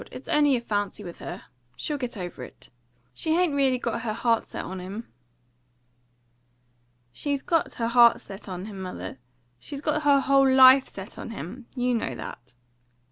It's only a fancy with her. She'll get over it. She hain't really got her heart set on him." "She's got her heart set on him, mother. She's got her whole life set on him. You know that."